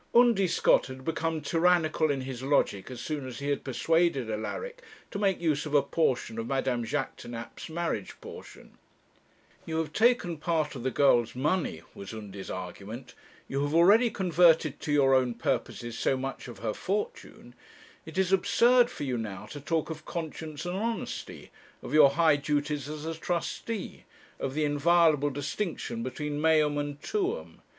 Undy Scott had become tyrannical in his logic as soon as he had persuaded Alaric to make use of a portion of Madame Jaquêtanàpe's marriage portion. 'You have taken part of the girl's money,' was Undy's argument; 'you have already converted to your own purposes so much of her fortune; it is absurd for you now to talk of conscience and honesty, of your high duties as a trustee, of the inviolable distinction between meum and tuum.